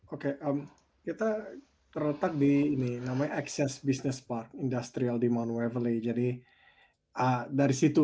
oke kita terletak di ini namanya akses business park industrial di mount waverly jadi dari situ namanya